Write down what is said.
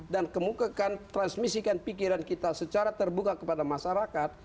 dan kemukakan transmisikan pikiran kita secara terbuka kepada masyarakat